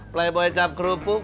playboy cap kerupuk